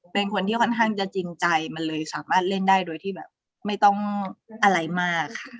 เป็นคนที่ค่อนข้างจะจริงใจมันเลยสามารถเล่นได้โดยที่แบบไม่ต้องอะไรมากค่ะ